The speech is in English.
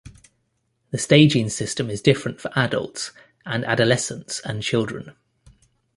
The staging system is different for adults and adolescents and children.